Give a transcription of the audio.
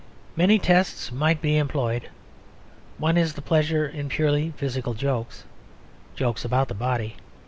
Many tests might be employed. One is the pleasure in purely physical jokes jokes about the body.